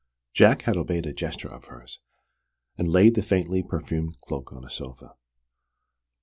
Jack had obeyed a gesture of hers, and laid the faintly perfumed cloak on a sofa.